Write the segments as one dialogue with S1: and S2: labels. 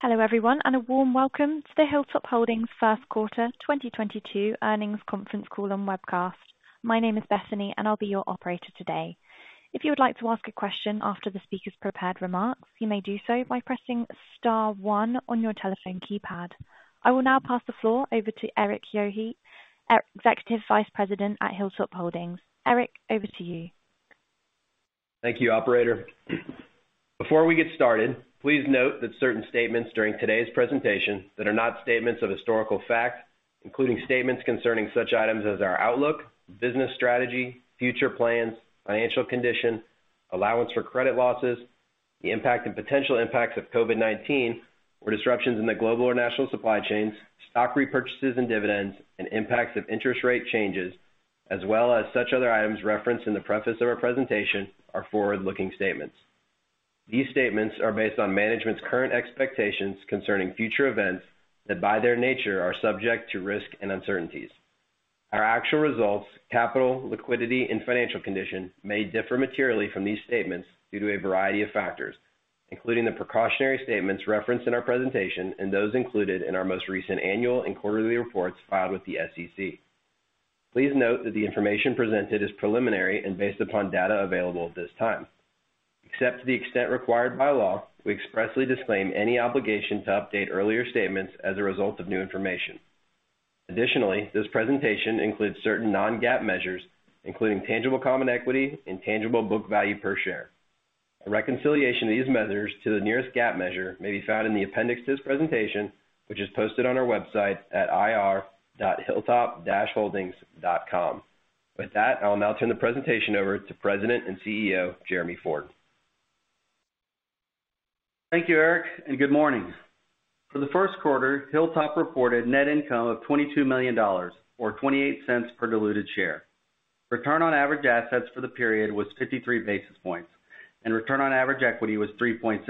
S1: Hello everyone, and a warm welcome to the Hilltop Holdings Q1 2022 earnings conference call and webcast. My name is Bethany, and I'll be your operator today. If you would like to ask a question after the speaker's prepared remarks, you may do so by pressing star one on your telephone keypad. I will now pass the floor over to Erik Yohe, Executive Vice President at Hilltop Holdings. Erik, over to you.
S2: Thank you, operator. Before we get started, please note that certain statements during today's presentation that are not statements of historical fact, including statements concerning such items as our outlook, business strategy, future plans, financial condition, allowance for credit losses, the impact and potential impacts of COVID-19 or disruptions in the global or national supply chains, stock repurchases and dividends, and impacts of interest rate changes, as well as such other items referenced in the preface of our presentation are forward-looking statements. These statements are based on management's current expectations concerning future events that, by their nature, are subject to risk and uncertainties. Our actual results, capital, liquidity and financial condition may differ materially from these statements due to a variety of factors, including the precautionary statements referenced in our presentation and those included in our most recent annual and quarterly reports filed with the SEC. Please note that the information presented is preliminary and based upon data available at this time. Except to the extent required by law, we expressly disclaim any obligation to update earlier statements as a result of new information. Additionally, this presentation includes certain non-GAAP measures, including tangible common equity and tangible book value per share. A reconciliation of these measures to the nearest GAAP measure may be found in the appendix to this presentation, which is posted on our website at ir.hilltop-holdings.com. With that, I'll now turn the presentation over to President and CEO Jeremy Ford.
S3: Thank you, Erik, and good morning. For the Q1, Hilltop reported net income of $22 million or $0.28 per diluted share. Return on average assets for the period was 53 basis points and return on average equity was 3.6%.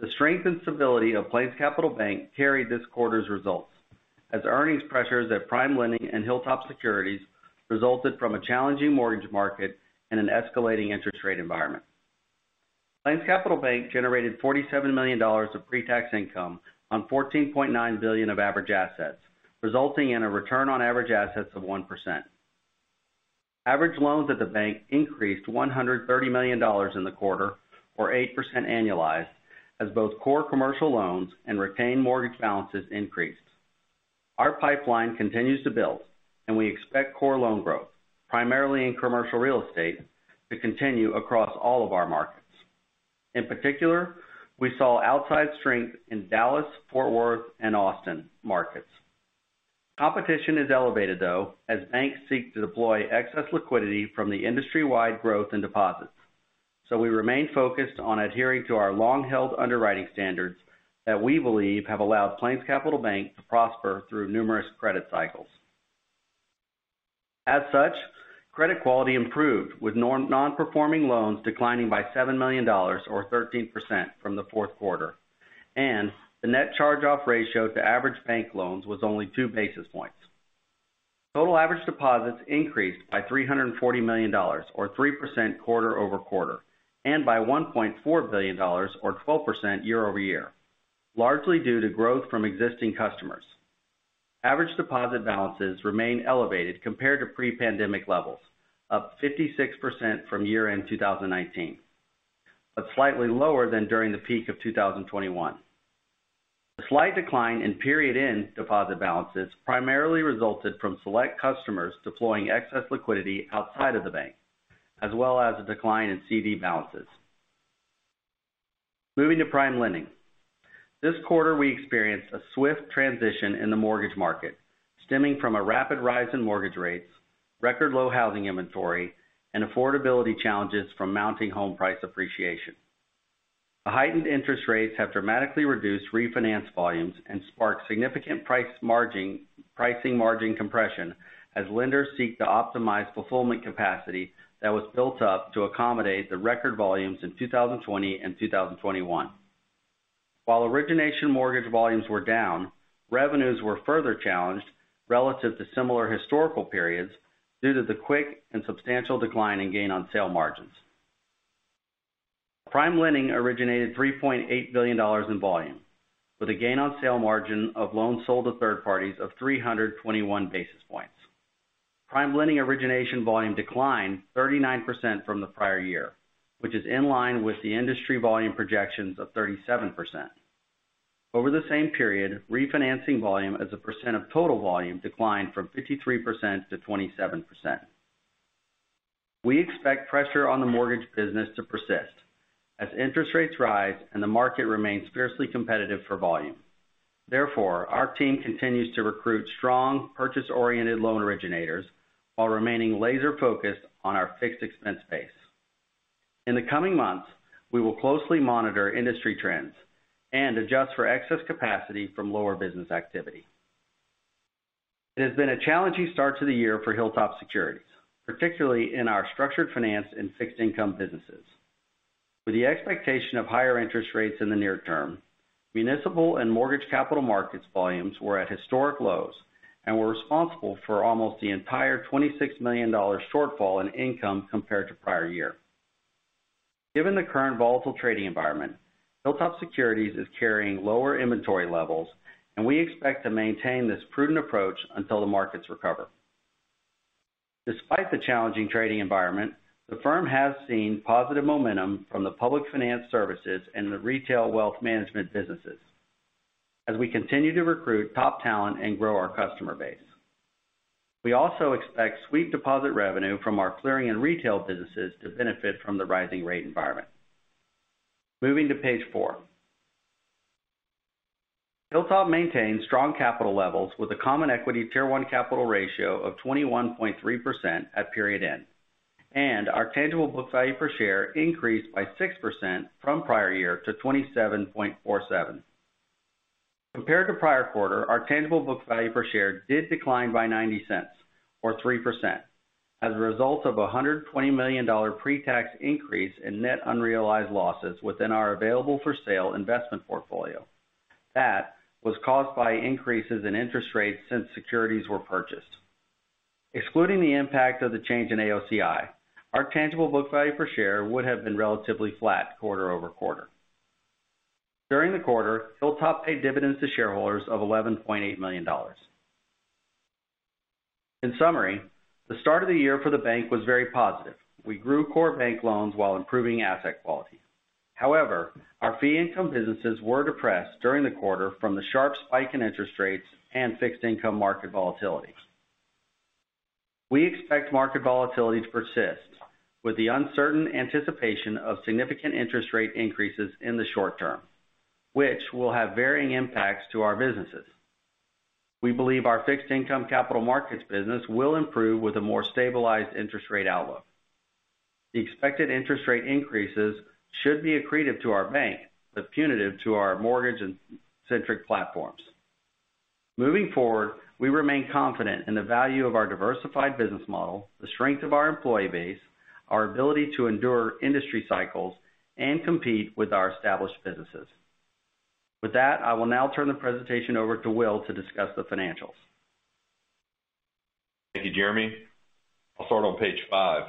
S3: The strength and stability of PlainsCapital Bank carried this quarter's results as earnings pressures at PrimeLending and HilltopSecurities resulted from a challenging mortgage market and an escalating interest rate environment. PlainsCapital Bank generated $47 million of pre-tax income on $14.9 billion of average assets, resulting in a return on average assets of 1%. Average loans at the bank increased $130 million in the quarter or 8% annualized as both core commercial loans and retained mortgage balances increased. Our pipeline continues to build, and we expect core loan growth, primarily in commercial real estate, to continue across all of our markets. In particular, we saw outside strength in Dallas-Fort Worth and Austin markets. Competition is elevated, though, as banks seek to deploy excess liquidity from the industry-wide growth in deposits. We remain focused on adhering to our long-held underwriting standards that we believe have allowed PlainsCapital Bank to prosper through numerous credit cycles. As such, credit quality improved with non-performing loans declining by $7 million or 13% from the Q4. The net charge-off ratio to average bank loans was only 2 basis points. Total average deposits increased by $340 million or 3% quarter-over-quarter, and by $1.4 billion or 12% year-over-year, largely due to growth from existing customers. Average deposit balances remain elevated compared to pre-pandemic levels, up 56% from year-end 2019, but slightly lower than during the peak of 2021. The slight decline in period-end deposit balances primarily resulted from select customers deploying excess liquidity outside of the bank, as well as a decline in CD balances. Moving to PrimeLending. This quarter, we experienced a swift transition in the mortgage market stemming from a rapid rise in mortgage rates, record low housing inventory, and affordability challenges from mounting home price appreciation. The heightened interest rates have dramatically reduced refinance volumes and sparked significant pricing margin compression as lenders seek to optimize fulfillment capacity that was built up to accommodate the record volumes in 2020 and 2021. While origination mortgage volumes were down, revenues were further challenged relative to similar historical periods due to the quick and substantial decline in gain on sale margins. PrimeLending originated $3.8 billion in volume with a gain on sale margin of loans sold to third parties of 321 basis points. PrimeLending origination volume declined 39% from the prior year, which is in line with the industry volume projections of 37%. Over the same period, refinancing volume as a percent of total volume declined from 53% to 27%. We expect pressure on the mortgage business to persist as interest rates rise and the market remains fiercely competitive for volume. Therefore, our team continues to recruit strong purchase-oriented loan originators while remaining laser focused on our fixed expense base. In the coming months, we will closely monitor industry trends and adjust for excess capacity from lower business activity. It has been a challenging start to the year for HilltopSecurities, particularly in our structured finance and fixed income businesses. With the expectation of higher interest rates in the near term, municipal and mortgage capital markets volumes were at historic lows and were responsible for almost the entire $26 million shortfall in income compared to prior year. Given the current volatile trading environment, HilltopSecurities is carrying lower inventory levels, and we expect to maintain this prudent approach until the markets recover. Despite the challenging trading environment, the firm has seen positive momentum from the public finance services and the retail wealth management businesses as we continue to recruit top talent and grow our customer base. We also expect sweep deposit revenue from our clearing and retail businesses to benefit from the rising rate environment. Moving to page four. Hilltop maintains strong capital levels with a Common Equity Tier 1 capital ratio of 21.3% at period end, and our tangible book value per share increased by 6% from prior year to $27.47. Compared to prior quarter, our tangible book value per share did decline by $0.90 or 3% as a result of $120 million pre-tax increase in net unrealized losses within our available-for-sale investment portfolio. That was caused by increases in interest rates since securities were purchased. Excluding the impact of the change in AOCI, our tangible book value per share would have been relatively flat quarter-over-quarter. During the quarter, Hilltop paid dividends to shareholders of $11.8 million. In summary, the start of the year for the bank was very positive. We grew core bank loans while improving asset quality. However, our fee income businesses were depressed during the quarter from the sharp spike in interest rates and fixed income market volatility. We expect market volatility to persist with the uncertain anticipation of significant interest rate increases in the short term, which will have varying impacts to our businesses. We believe our fixed income capital markets business will improve with a more stabilized interest rate outlook. The expected interest rate increases should be accretive to our bank, but punitive to our mortgage-centric platforms. Moving forward, we remain confident in the value of our diversified business model, the strength of our employee base, our ability to endure industry cycles, and compete with our established businesses. With that, I will now turn the presentation over to Will to discuss the financials.
S4: Thank you, Jeremy. I'll start on page 5.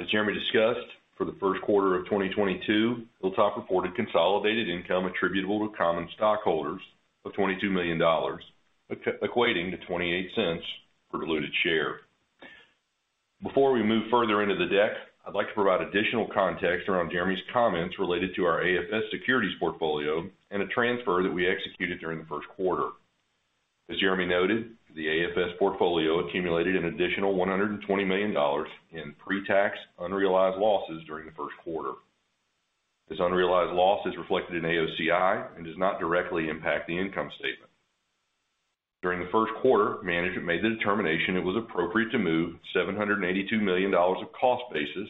S4: As Jeremy discussed, for the Q1 of 2022, Hilltop reported consolidated income attributable to common stockholders of $22 million, equating to $0.28 per diluted share. Before we move further into the deck, I'd like to provide additional context around Jeremy's comments related to our AFS securities portfolio and a transfer that we executed during the Q1. As Jeremy noted, the AFS portfolio accumulated an additional $120 million in pre-tax unrealized losses during the Q1. This unrealized loss is reflected in AOCI and does not directly impact the income statement. During the Q1, management made the determination it was appropriate to move $782 million of cost basis,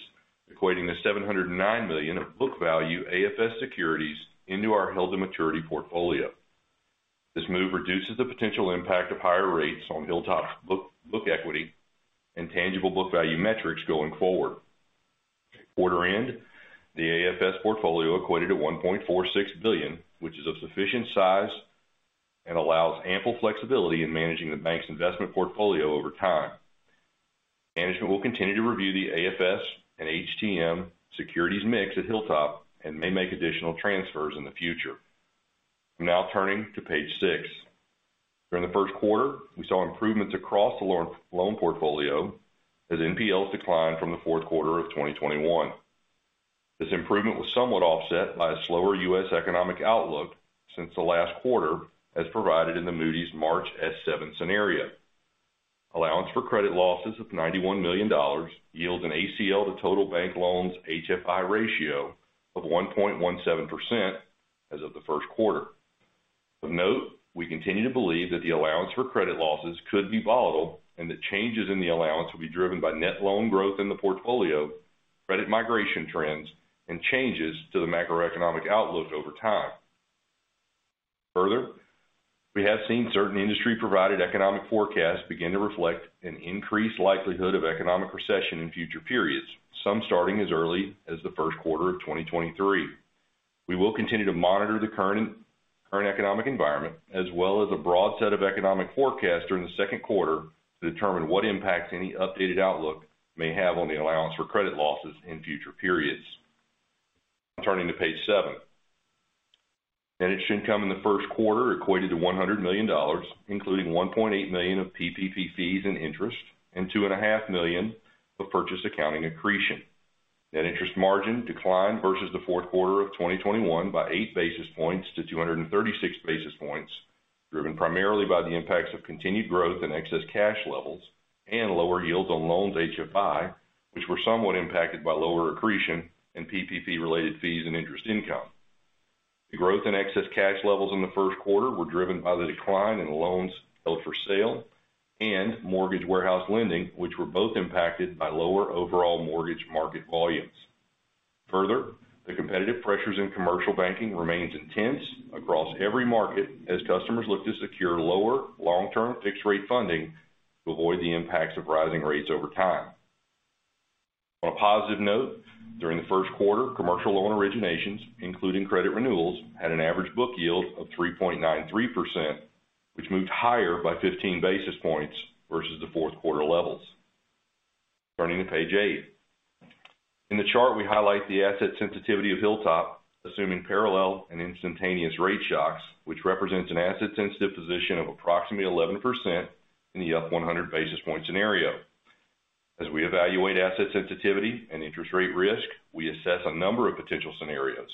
S4: equating to $709 million of book value AFS securities into our held-to-maturity portfolio. This move reduces the potential impact of higher rates on Hilltop's book equity and tangible book value metrics going forward. At quarter end, the AFS portfolio equated to $1.46 billion, which is of sufficient size and allows ample flexibility in managing the bank's investment portfolio over time. Management will continue to review the AFS and HTM securities mix at Hilltop and may make additional transfers in the future. I'm now turning to page six. During the Q1 we saw improvements across the loan portfolio as NPLs declined from the Q4 of 2021. This improvement was somewhat offset by a slower U.S. economic outlook since the last quarter, as provided in the Moody's March S7 scenario. Allowance for credit losses of $91 million yield an ACL to total bank loans HFI ratio of 1.17% as of the Q1 Of note, we continue to believe that the allowance for credit losses could be volatile, and that changes in the allowance will be driven by net loan growth in the portfolio, credit migration trends, and changes to the macroeconomic outlook over time. Further, we have seen certain industry-provided economic forecasts begin to reflect an increased likelihood of economic recession in future periods, some starting as early as the Q1 of 2023. We will continue to monitor the current economic environment as well as a broad set of economic forecasts during the Q2 to determine what impacts any updated outlook may have on the allowance for credit losses in future periods. I'm turning to page seven. Net interest income in the Q1equated to $100 million, including $1.8 million of PPP fees and interest, and $2.5 million of purchase accounting accretion. Net interest margin declined versus the Q4 of 2021 by 8 basis points to 236 basis points, driven primarily by the impacts of continued growth in excess cash levels and lower yields on loans HFI, which were somewhat impacted by lower accretion and PPP-related fees and interest income. The growth in excess cash levels in the Q1 were driven by the decline in loans held for sale and mortgage warehouse lending, which were both impacted by lower overall mortgage market volumes. Further, the competitive pressures in commercial banking remains intense across every market as customers look to secure lower long-term fixed rate funding to avoid the impacts of rising rates over time. On a positive note, during the Q1, commercial loan originations, including credit renewals, had an average book yield of 3.93%, which moved higher by 15 basis points versus the Q4 levels. Turning to page eight. In the chart, we highlight the asset sensitivity of Hilltop, assuming parallel and instantaneous rate shocks, which represents an asset sensitive position of approximately 11% in the up 100 basis point scenario. As we evaluate asset sensitivity and interest rate risk, we assess a number of potential scenarios.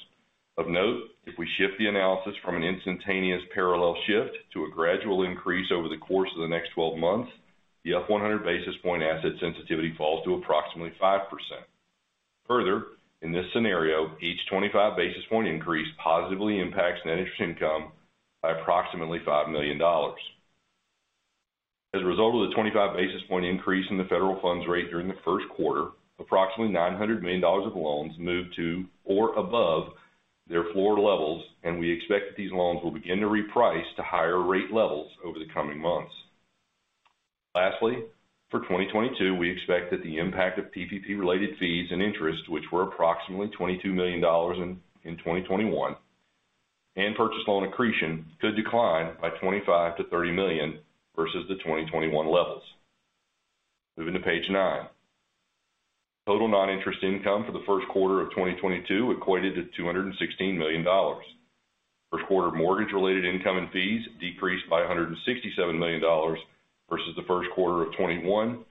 S4: Of note, if we shift the analysis from an instantaneous parallel shift to a gradual increase over the course of the next 12 months, the up 100 basis point asset sensitivity falls to approximately 5%. Further, in this scenario, each 25 basis point increase positively impacts net interest income by approximately $5 million. As a result of the 25 basis point increase in the federal funds rate during the Q1, approximately $900 million of loans moved to or above their floor levels, and we expect that these loans will begin to reprice to higher rate levels over the coming months. Lastly, for 2022, we expect that the impact of PPP related fees and interest, which were approximately $22 million in 2021, and purchase loan accretion could decline by $25 million-$30 million versus the 2021 levels. Moving to page nine. Total non-interest income for the Q1 of 2022 equated to $216 million. Q1 mortgage related income and fees decreased by $167 million versus the Q1 of 2021,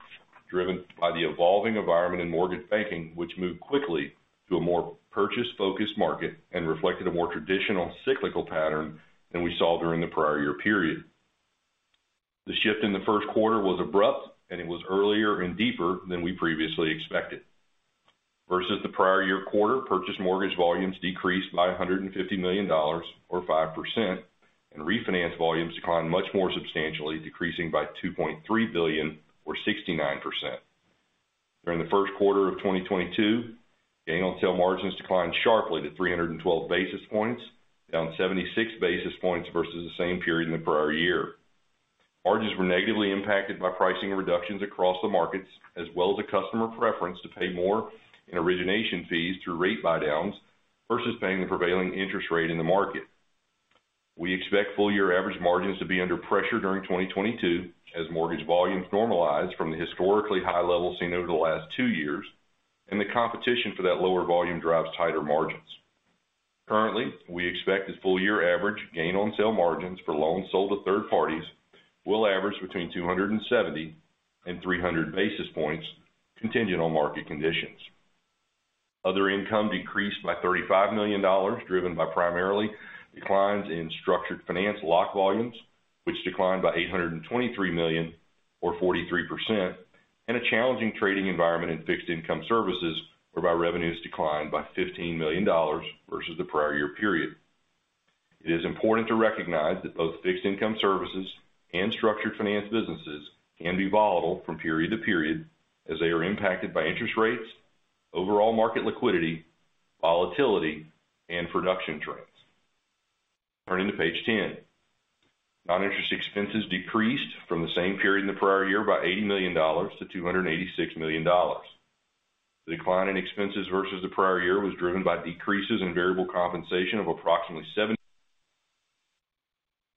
S4: driven by the evolving environment in mortgage banking, which moved quickly to a more purchase-focused market and reflected a more traditional cyclical pattern than we saw during the prior year period. The shift in the Q1 was abrupt, and it was earlier and deeper than we previously expected. Versus the prior year quarter, purchase mortgage volumes decreased by $150 million or 5%, and refinance volumes declined much more substantially, decreasing by $2.3 billion or 69%. During the Q1 of 2022, gain on sale margins declined sharply to 312 basis points, down 76 basis points versus the same period in the prior year. Margins were negatively impacted by pricing reductions across the markets as well as a customer preference to pay more in origination fees through rate buydowns versus paying the prevailing interest rate in the market. We expect full year average margins to be under pressure during 2022 as mortgage volumes normalize from the historically high levels seen over the last two years and the competition for that lower volume drives tighter margins. Currently, we expect the full year average gain on sale margins for loans sold to third parties will average between 270 and 300 basis points contingent on market conditions. Other income decreased by $35 million, driven by primarily declines in structured finance lock volumes, which declined by $823 million or 43%, and a challenging trading environment in fixed income services, whereby revenues declined by $15 million versus the prior year period. It is important to recognize that both fixed income services and structured finance businesses can be volatile from period to period as they are impacted by interest rates, overall market liquidity, volatility, and production trends. Turning to page 10. Non-interest expenses decreased from the same period in the prior year by $80 million to $286 million. The decline in expenses versus the prior year was driven by decreases in variable compensation of approximately seven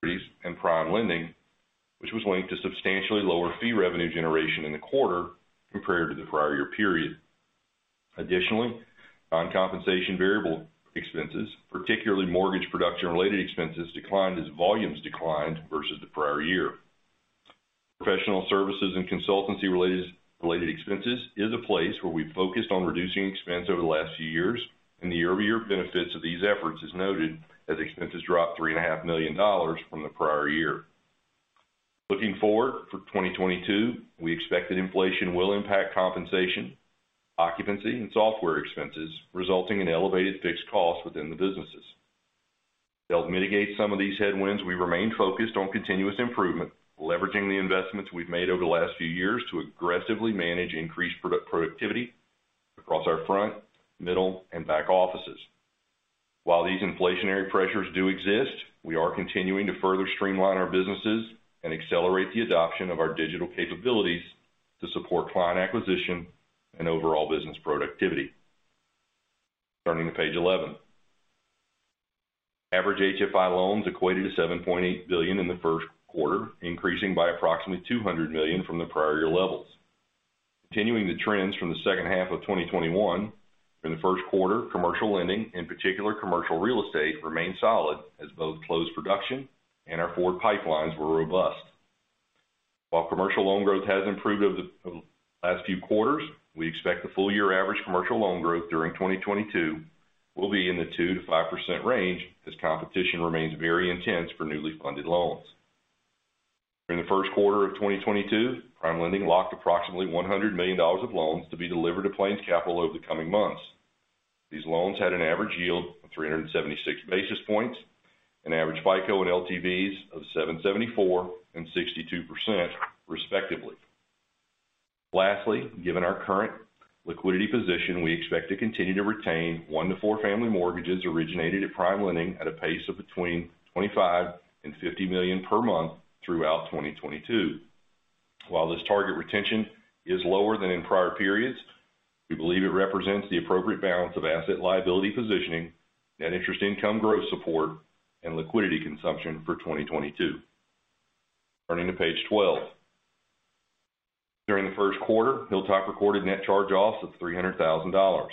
S4: million and PrimeLending, which was linked to substantially lower fee revenue generation in the quarter compared to the prior year period. Additionally, non-compensation variable expenses, particularly mortgage production related expenses, declined as volumes declined versus the prior year. Professional services and consultancy related expenses is a place where we've focused on reducing expense over the last few years, and the year-over-year benefits of these efforts is noted as expenses dropped $3.5 million from the prior year. Looking forward for 2022, we expect that inflation will impact compensation, occupancy, and software expenses, resulting in elevated fixed costs within the businesses. To help mitigate some of these headwinds, we remain focused on continuous improvement, leveraging the investments we've made over the last few years to aggressively manage increased productivity across our front, middle, and back offices. While these inflationary pressures do exist, we are continuing to further streamline our businesses and accelerate the adoption of our digital capabilities to support client acquisition and overall business productivity. Turning to page 11. Average HFI loans equated to $7.8 billion in the Q1, increasing by approximately $200 million from the prior year levels. Continuing the trends from the H2 of 2021, in the Q1, commercial lending, in particular commercial real estate, remained solid as both closed production and our forward pipelines were robust. While commercial loan growth has improved over the last few quarters, we expect the full year average commercial loan growth during 2022 will be in the 2%-5% range as competition remains very intense for newly funded loans. During the Q1 of 2022, PrimeLending locked approximately $100 million of loans to be delivered to PlainsCapital over the coming months. These loans had an average yield of 376 basis points, and average FICO and LTVs of 74% and 62% respectively. Lastly, given our current liquidity position, we expect to continue to retain one to four family mortgages originated at PrimeLending at a pace of between $25 million and $50 million per month throughout 2022. While this target retention is lower than in prior periods, we believe it represents the appropriate balance of asset liability positioning, net interest income growth support, and liquidity consumption for 2022. Turning to page 12. During theQ1, Hilltop recorded net charge-offs of $300,000.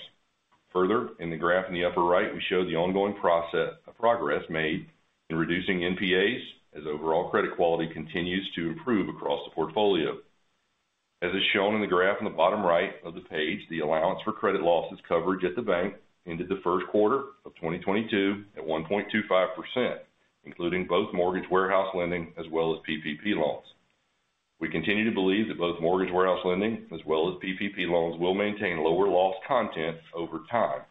S4: Further, in the graph in the upper right, we show the ongoing progress made in reducing NPAs as overall credit quality continues to improve across the portfolio. As is shown in the graph on the bottom right of the page, the allowance for credit losses coverage at the bank ended the Q1 of 2022 at 1.25%, including both mortgage warehouse lending as well as PPP loans. We continue to believe that both mortgage warehouse lending as well as PPP loans will maintain lower loss content over time.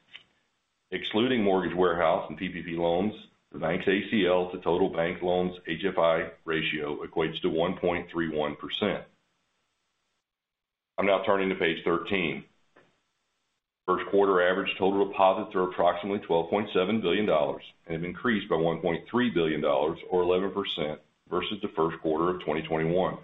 S4: Excluding mortgage warehouse and PPP loans, the bank's ACL to total bank loans HFI ratio equates to 1.31%. I'm now turning to page thirteen. Q1 average total deposits are approximately $12.7 billion and have increased by $1.3 billion or 11% versus the Q1 of 2021.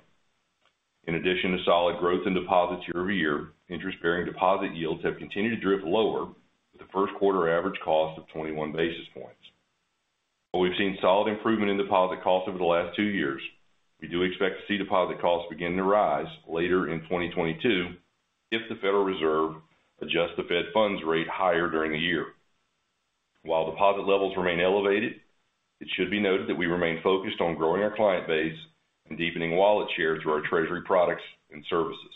S4: In addition to solid growth in deposits year over year, interest-bearing deposit yields have continued to drift lower with the Q1 average cost of 21 basis points. While we've seen solid improvement in deposit costs over the last two years, we do expect to see deposit costs begin to rise later in 2022 if the Federal Reserve adjusts the Fed funds rate higher during the year. While deposit levels remain elevated, it should be noted that we remain focused on growing our client base and deepening wallet share through our treasury products and services.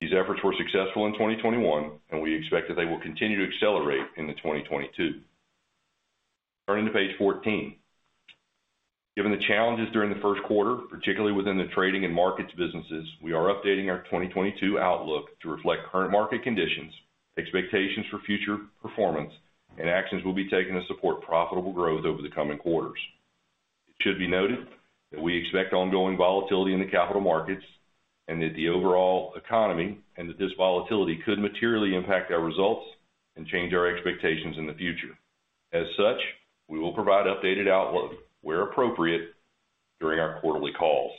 S4: These efforts were successful in 2021, and we expect that they will continue to accelerate into 2022. Turning to page 14. Given the challenges during the Q1, particularly within the trading and markets businesses, we are updating our 2022 outlook to reflect current market conditions, expectations for future performance, and actions we'll be taking to support profitable growth over the coming quarters. It should be noted that we expect ongoing volatility in the capital markets and the overall economy, and this volatility could materially impact our results and change our expectations in the future. As such, we will provide updated outlook where appropriate during our quarterly calls.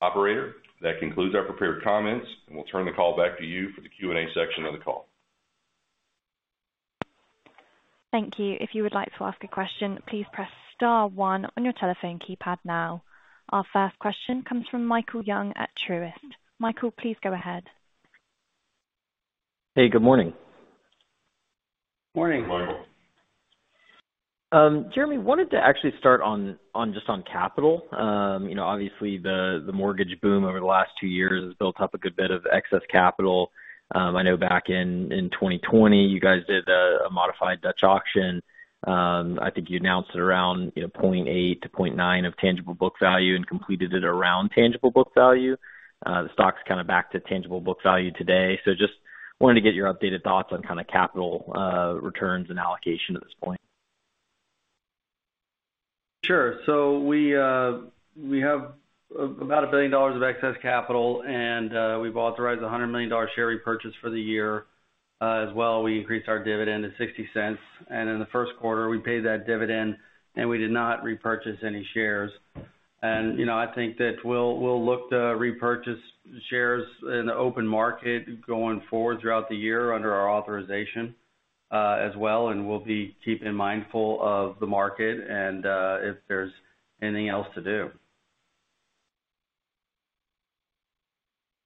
S4: Operator, that concludes our prepared comments, and we'll turn the call back to you for the Q&A section of the call.
S1: Thank you. If you would like to ask a question, please press star one on your telephone keypad now. Our first question comes from Michael Young at Truist. Michael, please go ahead.
S5: Hey, good morning.
S3: Morning.
S4: Morning.
S5: Jeremy, wanted to actually start on just capital. You know, obviously the mortgage boom over the last two years has built up a good bit of excess capital. I know back in 2020, you guys did a modified Dutch auction. I think you announced it around, you know, 0.8-0.9 of tangible book value and completed it around tangible book value. The stock's kind of back to tangible book value today. Just wanted to get your updated thoughts on kind of capital returns and allocation at this point.
S3: Sure. We have about $1 billion of excess capital, and we've authorized a $100 million share repurchase for the year. As well, we increased our dividend to $0.60. In the Q1, we paid that dividend, and we did not repurchase any shares. You know, I think that we'll look to repurchase shares in the open market going forward throughout the year under our authorization, as well, and we'll be keeping mindful of the market and if there's anything else to do.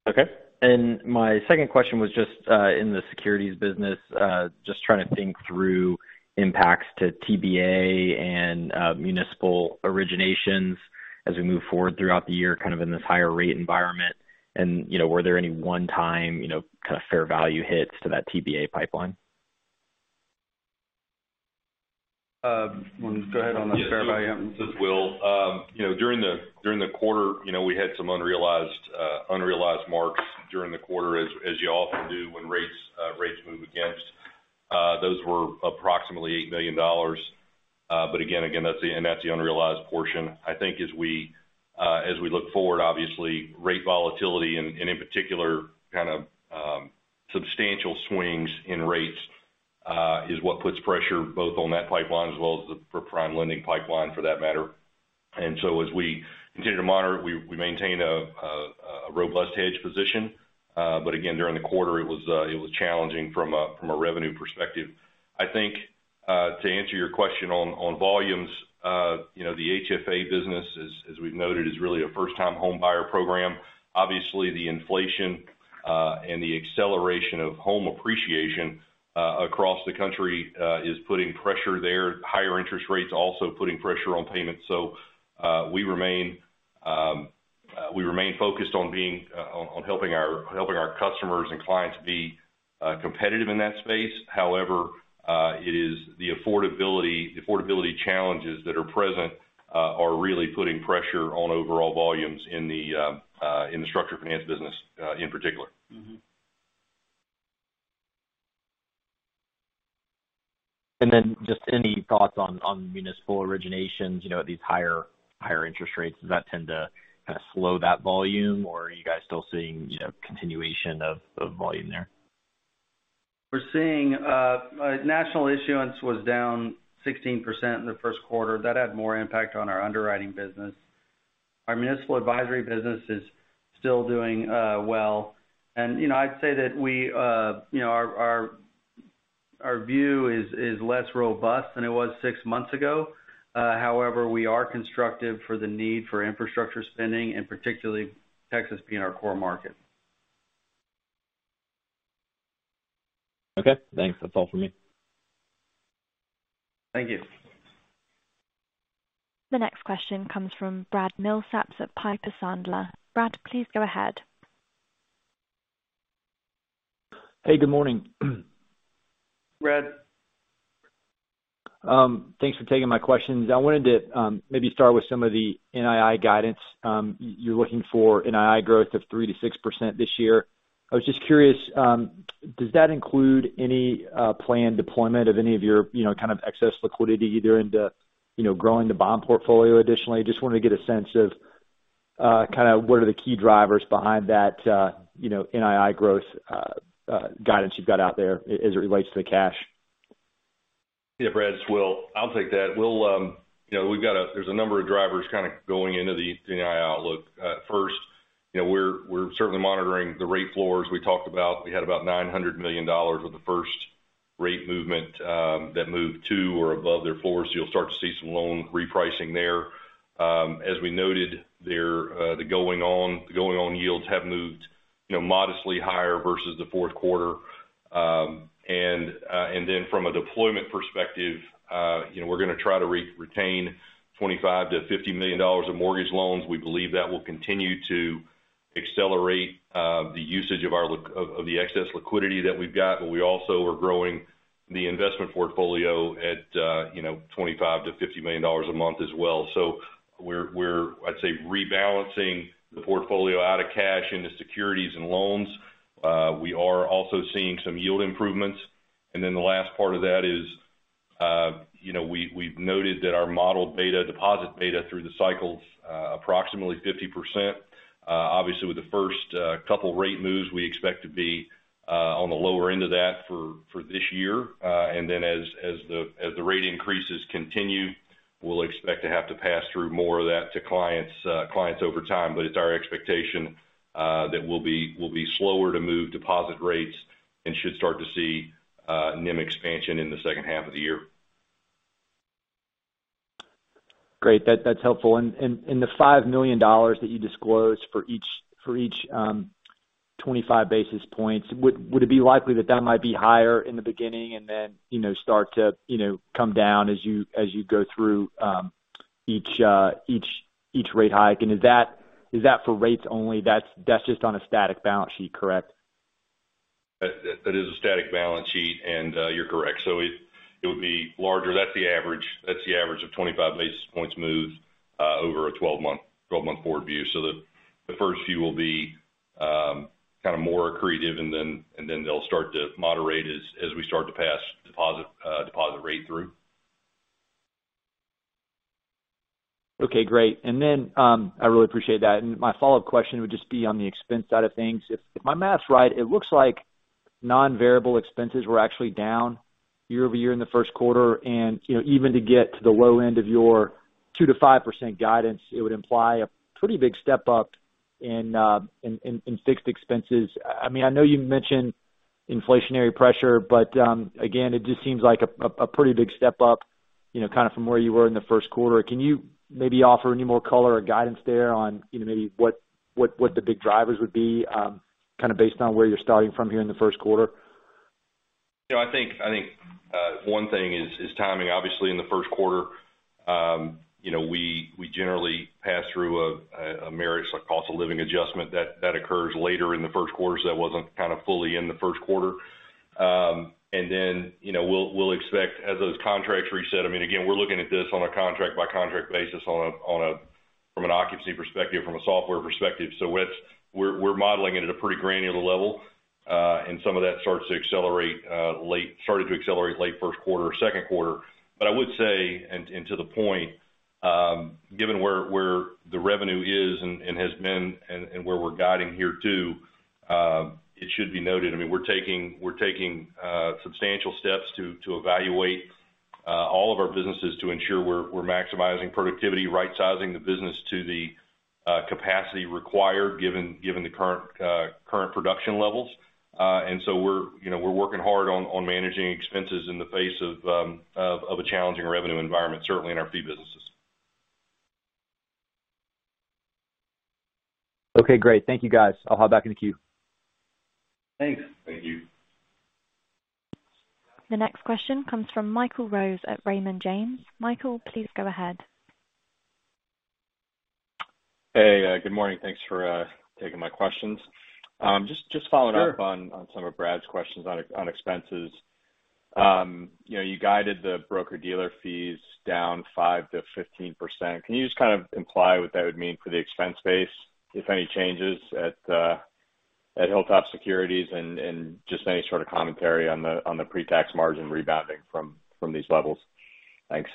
S5: Okay. My second question was just, in the securities business, just trying to think through impacts to TBA and, municipal originations as we move forward throughout the year, kind of in this higher rate environment. You know, were there any one time, you know, kind of fair value hits to that TBA pipeline?
S3: Want to go ahead on the fair value item?
S4: Yeah. This is Will. You know, during the quarter, you know, we had some unrealized marks during the quarter as you often do when rates move against. Those were approximately $8 million. But again, that's the unrealized portion. I think as we look forward, obviously rate volatility and in particular kind of substantial swings in rates is what puts pressure both on that pipeline as well as the PrimeLending pipeline for that matter. As we continue to monitor it, we maintain a robust hedge position. But again, during the quarter, it was challenging from a revenue perspective. I think to answer your question on volumes, you know, the HFA business as we've noted is really a first-time home buyer program. Obviously, the inflation and the acceleration of home appreciation across the country is putting pressure there. Higher interest rates also putting pressure on payments. We remain focused on helping our customers and clients be competitive in that space. However, it is the affordability challenges that are present are really putting pressure on overall volumes in the structured finance business in particular.
S5: Just any thoughts on municipal originations, you know, at these higher interest rates. Does that tend to kind of slow that volume, or are you guys still seeing, you know, continuation of volume there?
S3: We're seeing national issuance was down 16% in the Q1. That had more impact on our underwriting business. Our municipal advisory business is still doing well. You know, I'd say that we, you know, our view is less robust than it was six months ago. However, we are constructive for the need for infrastructure spending, and particularly Texas being our core market.
S5: Okay, thanks. That's all for me.
S3: Thank you.
S1: The next question comes from Brad Milsaps at Piper Sandler. Brad, please go ahead.
S6: Hey, good morning.
S3: Brad.
S6: Thanks for taking my questions. I wanted to maybe start with some of the NII guidance. You're looking for NII growth of 3%-6% this year. I was just curious, does that include any planned deployment of any of your, you know, kind of excess liquidity either into, you know, growing the bond portfolio additionally? Just wanted to get a sense of, kind of what are the key drivers behind that, you know, NII growth guidance you've got out there as it relates to the cash?
S4: Yeah, Brad, it's Will. I'll take that. We'll, you know, we've got a number of drivers kind of going into the NII outlook. First, you know, we're certainly monitoring the rate floors we talked about. We had about $900 million with the first rate movement that moved to or above their floors. You'll start to see some loan repricing there. As we noted there, the going-in yields have moved, you know, modestly higher versus the Q4. And then from a deployment perspective, you know, we're gonna try to retain $25 million-$50 million of mortgage loans. We believe that will continue to accelerate the usage of our excess liquidity that we've got. We also are growing the investment portfolio at, you know, $25 million-$50 million a month as well. We're rebalancing the portfolio out of cash into securities and loans. We are also seeing some yield improvements. The last part of that is, you know, we've noted that our model beta, deposit beta through the cycle is approximately 50%. Obviously with the first couple rate moves, we expect to be on the lower end of that for this year. As the rate increases continue, we'll expect to have to pass through more of that to clients over time. It's our expectation that we'll be slower to move deposit rates and should start to see NIM expansion in the H2 of the year.
S6: Great. That's helpful. The $5 million that you disclosed for each 25 basis points, would it be likely that that might be higher in the beginning and then, you know, start to come down as you go through each rate hike? Is that for rates only? That's just on a static balance sheet, correct?
S4: That is a static balance sheet, and you're correct. It would be larger. That's the average of 25 basis points moved over a 12-month forward view. The first few will be kind of more accretive, and then they'll start to moderate as we start to pass deposit rate through.
S6: Okay, great. I really appreciate that. My follow-up question would just be on the expense side of things. If my math's right, it looks like non-variable expenses were actually down year-over-year in the Q1. You know, even to get to the low end of your 2%-5% guidance, it would imply a pretty big step-up in fixed expenses. I mean, I know you mentioned inflationary pressure, but again, it just seems like a pretty big step-up, you know, kind of from where you were in the Q1. Can you maybe offer any more color or guidance there on, you know, maybe what the big drivers would be, kind of based on where you're starting from here in the Q1?
S4: You know, I think one thing is timing. Obviously, in the Q1, you know, we generally pass through a merit cost of living adjustment that occurs later in the Q1. That wasn't kind of fully in the Q1. Then, you know, we'll expect as those contracts reset, I mean, again, we're looking at this on a contract by contract basis, from an occupancy perspective, from a software perspective. We're modeling it at a pretty granular level. Some of that started to accelerate late Q1 or Q2. I would say, and to the point, given where the revenue is and has been and where we're guiding here too, it should be noted, I mean, we're taking substantial steps to evaluate all of our businesses to ensure we're maximizing productivity, right-sizing the business to the capacity required given the current production levels. We're, you know, working hard on managing expenses in the face of a challenging revenue environment, certainly in our fee businesses.
S6: Okay, great. Thank you, guys. I'll hop back in the queue.
S3: Thanks.
S4: Thank you.
S1: The next question comes from Michael Rose at Raymond James. Michael, please go ahead.
S7: Hey, good morning. Thanks for taking my questions. Just following up.
S3: Sure.
S7: On some of Brad's questions on expenses. You know, you guided the broker-dealer fees down 5%-15%. Can you just kind of imply what that would mean for the expense base, if any changes at HilltopSecurities and just any sort of commentary on the pre-tax margin rebounding from these levels? Thanks.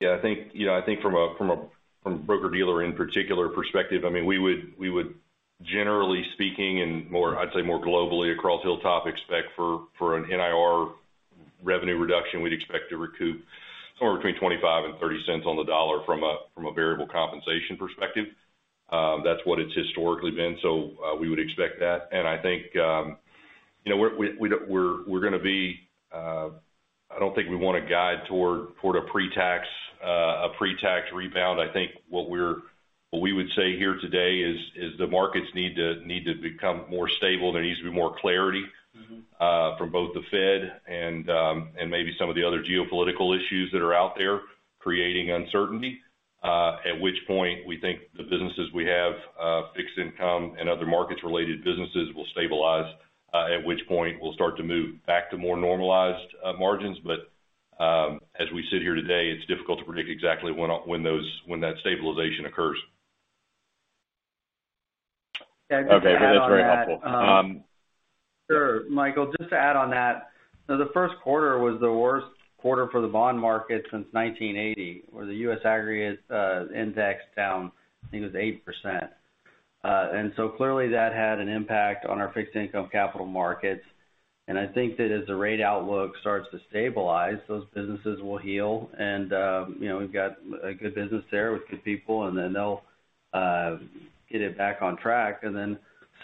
S4: Yeah, I think, you know, I think from a broker-dealer in particular perspective, I mean, we would generally speaking and more, I'd say more globally across Hilltop expect for an NIR revenue reduction, we'd expect to recoup somewhere between 0.25-0.30 cents on the dollar from a variable compensation perspective. That's what it's historically been. We would expect that. I think, you know, we're gonna be. I don't think we want to guide toward a pre-tax rebound. I think what we would say here today is the markets need to become more stable. There needs to be more clarity.
S7: Mm-hmm.
S4: From both the Fed and maybe some of the other geopolitical issues that are out there creating uncertainty, at which point we think the businesses we have, fixed income and other markets related businesses will stabilize, at which point we'll start to move back to more normalized margins. As we sit here today, it's difficult to predict exactly when that stabilization occurs.
S3: Yeah. Just to add on that.
S7: Okay. That's very helpful.
S3: Sure, Michael, just to add on that, the Q1 was the worst quarter for the bond market since 1980, where the U.S. Aggregate index was down, I think it was 8%. Clearly that had an impact on our fixed income capital markets. I think that as the rate outlook starts to stabilize, those businesses will heal. You know, we've got a good business there with good people, and then they'll get it back on track.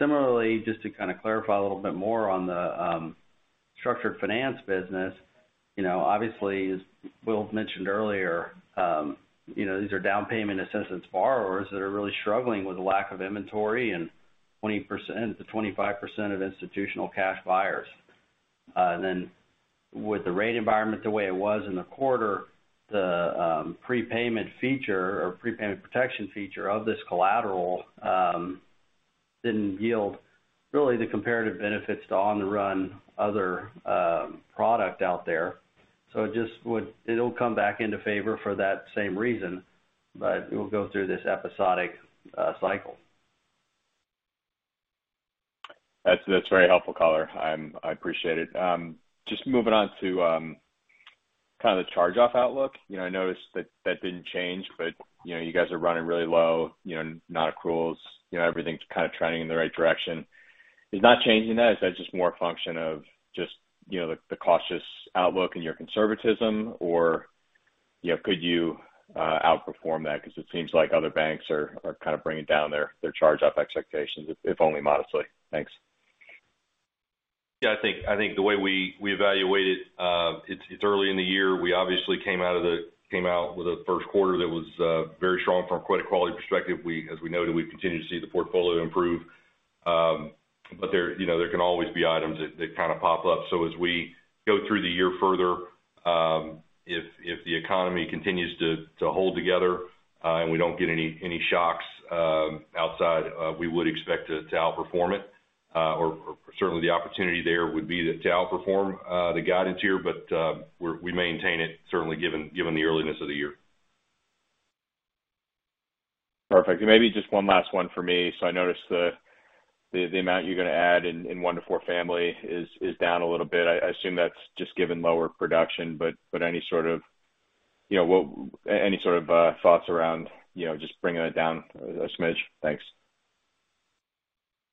S3: Similarly, just to kind of clarify a little bit more on the structured finance business, you know, obviously, as Will mentioned earlier, you know, these are down payment assistance borrowers that are really struggling with lack of inventory and 20%-25% of institutional cash buyers. With the rate environment, the way it was in the quarter, the prepayment feature or prepayment protection feature of this collateral didn't yield really the comparative benefits to on the run other product out there. It just'll come back into favor for that same reason, but it'll go through this episodic cycle.
S7: That's very helpful color. I appreciate it. Just moving on to kind of the charge-off outlook. You know, I noticed that didn't change, but you know, you guys are running really low, you know, net accruals, you know, everything's kind of trending in the right direction. Is not changing that just more a function of just you know, the cautious outlook in your conservatism? Or you know, could you outperform that? Because it seems like other banks are kind of bringing down their charge-off expectations, if only modestly. Thanks.
S4: Yeah, I think the way we evaluate it's early in the year. We obviously came out with a Q1 that was very strong from a credit quality perspective. As we noted, we've continued to see the portfolio improve. There, you know, there can always be items that kind of pop up. As we go through the year further, if the economy continues to hold together and we don't get any shocks outside, we would expect to outperform it. Or certainly the opportunity there would be to outperform the guidance here. We maintain it certainly given the earliness of the year.
S7: Perfect. Maybe just one last one for me. I noticed the amount you're going to add in one to four family is down a little bit. I assume that's just given lower production, but any sort of, you know, any sort of thoughts around, you know, just bringing it down a smidge? Thanks.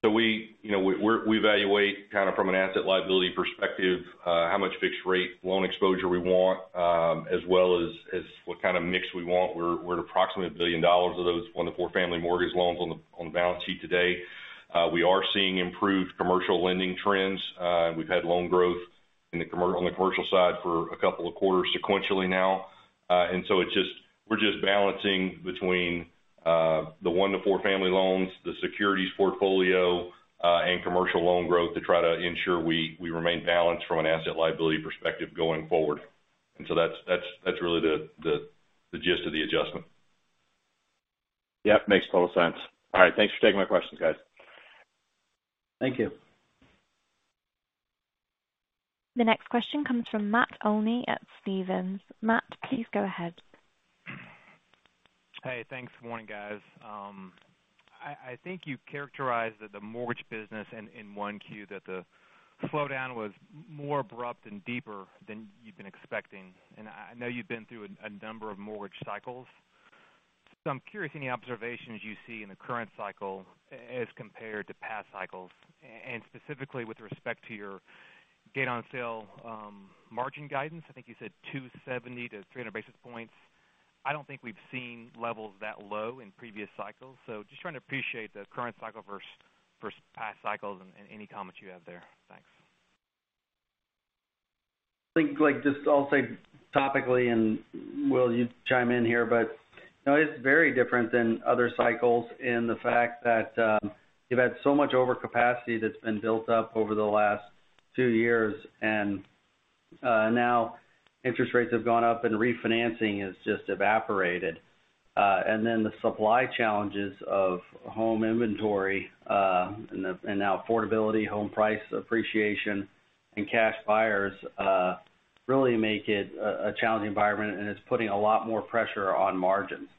S4: We, you know, evaluate kind of from an asset liability perspective how much fixed rate loan exposure we want, as well as what kind of mix we want. We're at approximately $1 billion of those one to four family mortgage loans on the balance sheet today. We are seeing improved commercial lending trends. We've had loan growth on the commercial side for a couple of quarters sequentially now. We're just balancing between the one to four family loans, the securities portfolio, and commercial loan growth to try to ensure we remain balanced from an asset liability perspective going forward. That's really the gist of the adjustment.
S7: Yep. Makes total sense. All right. Thanks for taking my questions, guys.
S3: Thank you.
S1: The next question comes from Matt Olney at Stephens. Matt, please go ahead.
S8: Hey, thanks. Good morning, guys. I think you characterized that the mortgage business in Q1, that the slowdown was more abrupt and deeper than you've been expecting. I know you've been through a number of mortgage cycles. I'm curious, any observations you see in the current cycle as compared to past cycles? And specifically with respect to your gain on sale margin guidance, I think you said 270-300 basis points. I don't think we've seen levels that low in previous cycles. Just trying to appreciate the current cycle versus past cycles and any comments you have there. Thanks.
S3: I think, like, just I'll say topically and, Will, you chime in here, but, you know, it's very different than other cycles in the fact that, you've had so much overcapacity that's been built up over the last two years, and, now interest rates have gone up and refinancing has just evaporated. And then the supply challenges of home inventory, and now affordability, home price appreciation, and cash buyers, really make it a challenging environment, and it's putting a lot more pressure on margins.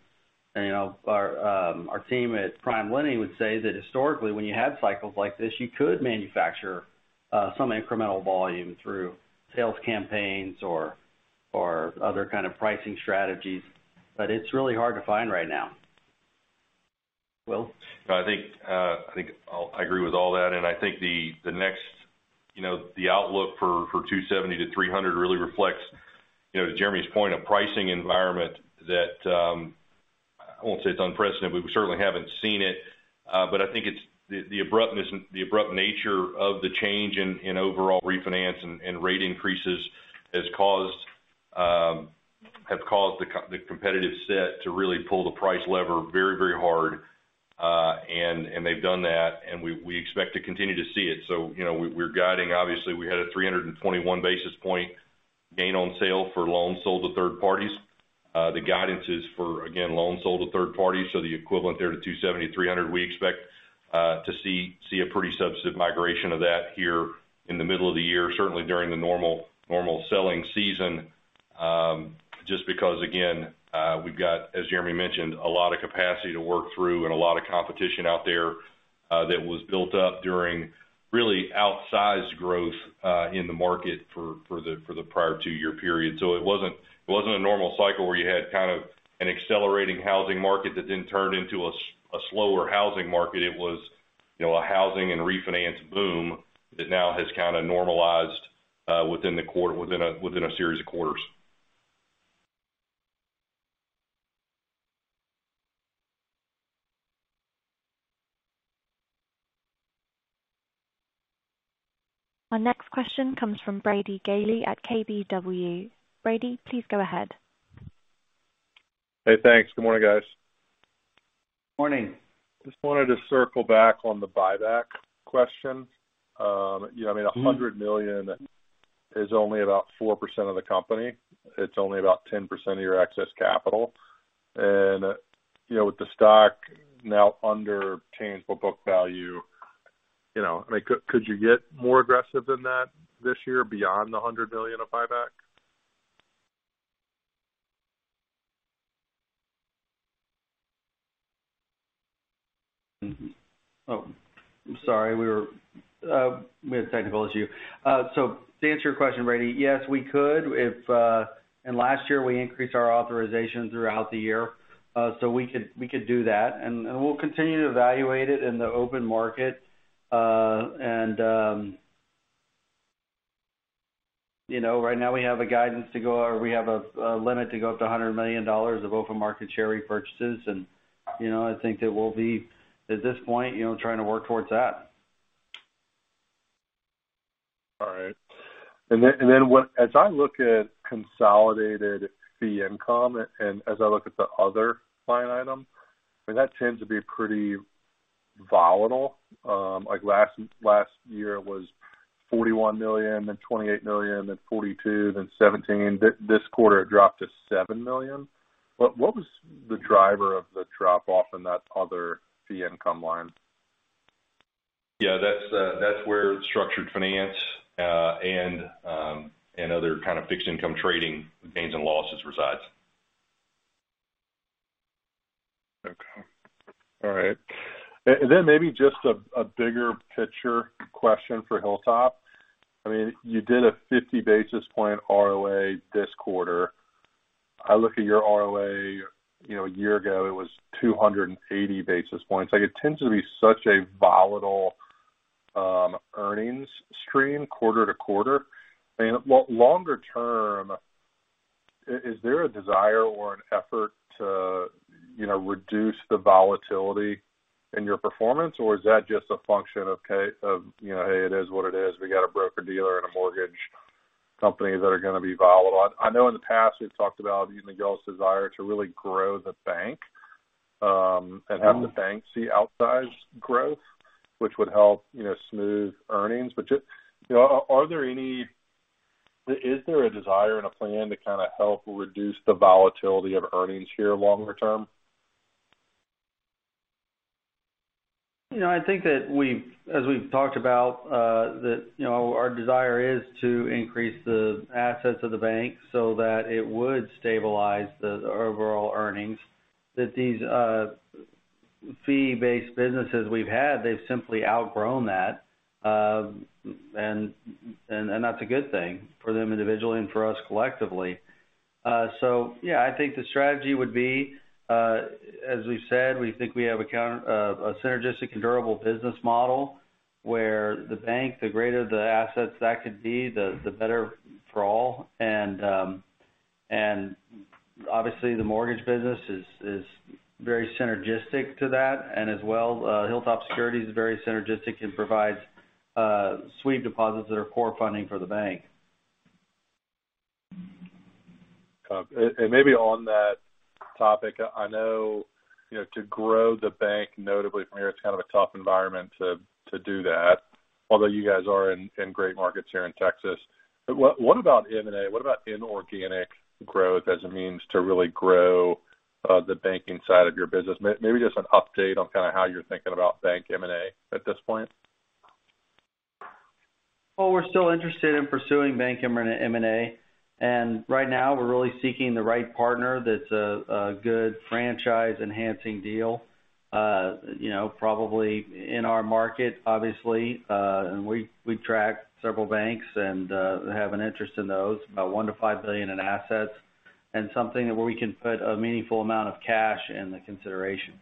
S3: You know, our team at PrimeLending would say that historically when you have cycles like this, you could manufacture some incremental volume through sales campaigns or other kind of pricing strategies, but it's really hard to find right now. Will?
S4: I think I'll agree with all that, and I think the next, you know, the outlook for 270-300 really reflects, you know, Jeremy's point of pricing environment that I won't say it's unprecedented, we certainly haven't seen it. But I think it's the abruptness and the abrupt nature of the change in overall refinance and rate increases have caused the competitive set to really pull the price lever very, very hard. And they've done that, and we expect to continue to see it. You know, we're guiding. Obviously, we had a 321 basis point gain on sale for loans sold to third parties. The guidance is for, again, loans sold to third parties. The equivalent there to 270-300, we expect to see a pretty substantive migration of that here in the middle of the year, certainly during the normal selling season. Just because again, we've got, as Jeremy mentioned, a lot of capacity to work through and a lot of competition out there that was built up during really outsized growth in the market for the prior two-year period. It wasn't a normal cycle where you had kind of an accelerating housing market that then turned into a slower housing market. It was, you know, a housing and refinance boom that now has kind of normalized within a series of quarters.
S1: Our next question comes from Brady Gailey at KBW. Brady, please go ahead.
S9: Hey, thanks. Good morning, guys.
S3: Morning.
S9: Just wanted to circle back on the buyback question. You know what I mean.
S3: Mm-hmm.
S9: $100 million is only about 4% of the company. It's only about 10% of your excess capital. You know, with the stock now under tangible book value, you know, I mean, could you get more aggressive than that this year beyond the $100 million of buyback?
S3: Oh, I'm sorry. We had a technical issue. So to answer your question, Brady, yes, we could if. Last year, we increased our authorization throughout the year. So we could do that. We'll continue to evaluate it in the open market. You know, right now we have a guidance to go, or we have a limit to go up to $100 million of open market share repurchases. You know, I think that we'll be, at this point, you know, trying to work towards that.
S9: All right. What as I look at consolidated fee income and as I look at the other line item, I mean, that tends to be pretty volatile. Like last year was $41 million, then $28 million, then $42 million, then $17 million. This quarter, it dropped to $7 million. What was the driver of the drop-off in that other fee income line?
S4: Yeah, that's where structured finance and other kind of fixed income trading gains and losses resides.
S9: Okay. All right. Then maybe just a bigger picture question for Hilltop. I mean, you did a 50 basis point ROA this quarter. I look at your ROA, you know, a year ago, it was 280 basis points. Like, it tends to be such a volatile earnings stream quarter to quarter. I mean, longer term, is there a desire or an effort to, you know, reduce the volatility in your performance, or is that just a function of, you know, hey, it is what it is, we got a broker-dealer and a mortgage company that are going to be volatile. I know in the past, we've talked about you and Alan White's desire to really grow the bank.
S3: Mm-hmm.
S9: Have the bank see outsized growth, which would help, you know, smooth earnings. You know, is there a desire and a plan to kind of help reduce the volatility of earnings here longer term?
S3: You know, I think that as we've talked about, you know, our desire is to increase the assets of the bank so that it would stabilize the overall earnings. That these fee-based businesses we've had, they've simply outgrown that. That's a good thing for them individually and for us collectively. Yeah, I think the strategy would be, as we've said, we think we have a synergistic and durable business model, where the bank, the greater the assets that could be, the better for all. Obviously the mortgage business is very synergistic to that. As well, Hilltop Securities is very synergistic and provides sweep deposits that are core funding for the bank.
S9: Okay. Maybe on that topic, I know, you know, to grow the bank notably from here, it's kind of a tough environment to do that. Although you guys are in great markets here in Texas. What about M&A? What about inorganic growth as a means to really grow the banking side of your business? Maybe just an update on kind of how you're thinking about bank M&A at this point.
S3: Well, we're still interested in pursuing bank M&A. Right now we're really seeking the right partner that's a good franchise-enhancing deal, you know, probably in our market obviously. We've tracked several banks and have an interest in those. About $1 billion-$5 billion in assets and something where we can put a meaningful amount of cash in the consideration.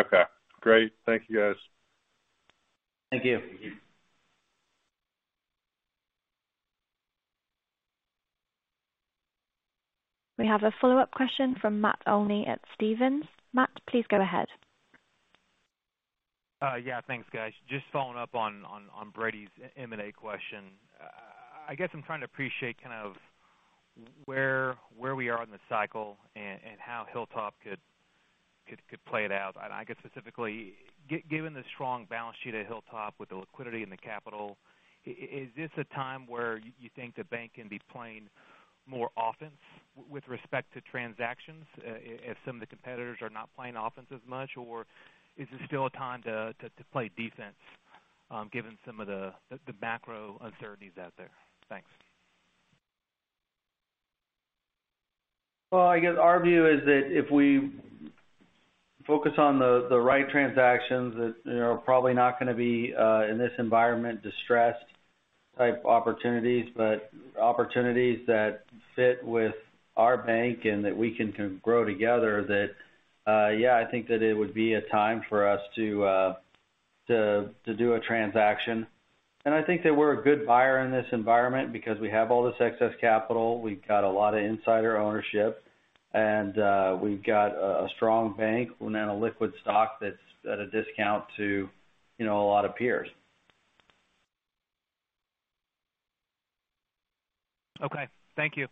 S9: Okay, great. Thank you, guys.
S3: Thank you.
S1: We have a follow-up question from Matt Olney at Stephens. Matt, please go ahead.
S8: Yeah, thanks, guys. Just following up on Brady's M&A question. I guess I'm trying to appreciate kind of where we are in the cycle and how Hilltop could play it out. I guess specifically, given the strong balance sheet at Hilltop with the liquidity and the capital, is this a time where you think the bank can be playing more offense with respect to transactions, if some of the competitors are not playing offense as much? Or is this still a time to play defense, given some of the macro uncertainties out there? Thanks.
S3: Well, I guess our view is that if we focus on the right transactions that, you know, are probably not gonna be in this environment, distressed type opportunities, but opportunities that fit with our bank and that we can grow together, that yeah, I think that it would be a time for us to do a transaction. I think that we're a good buyer in this environment because we have all this excess capital. We've got a lot of insider ownership, and we've got a strong bank and a liquid stock that's at a discount to, you know, a lot of peers.
S8: Okay, thank you.